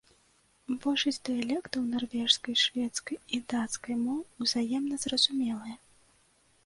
Большасць дыялектаў нарвежскай, шведскай і дацкай моў узаемна зразумелыя.